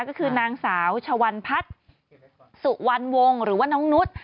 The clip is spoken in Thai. ก็คือนางสาวชวันพัฒน์สุวรรณวงศ์หรือว่าน้องนุษย์